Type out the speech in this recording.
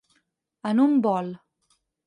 En un vol.